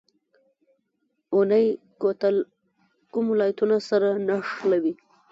اونی کوتل کوم ولایتونه سره نښلوي؟